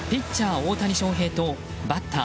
大谷翔平とバッター